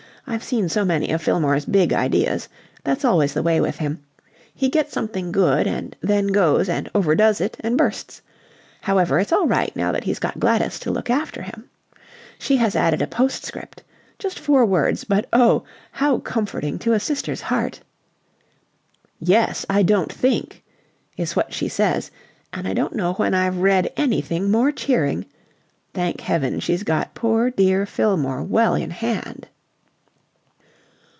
I've seen so many of Fillmore's Big Ideas. That's always the way with him. He gets something good and then goes and overdoes it and bursts. However, it's all right now that he's got Gladys to look after him. She has added a postscript. Just four words, but oh! how comforting to a sister's heart. 'Yes, I don't think!' is what she says, and I don't know when I've read anything more cheering. Thank heaven, she's got poor dear Fillmore well in hand."